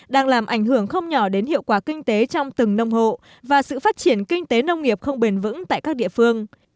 đang làm ảnh hưởng không nhỏ đến hiệu quả kinh tế trong từng nông hộ và sự phát triển kinh tế nông nghiệp không bền vững tại các địa phương